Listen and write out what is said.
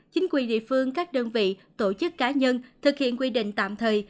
chính quyền địa phương các đơn vị tổ chức cá nhân thực hiện quy định tạm thời